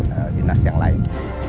dengan dinas yang lain